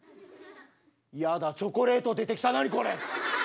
やだチョコレート出てきた何これ。